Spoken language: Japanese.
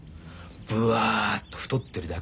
ブワッと太ってるだけ。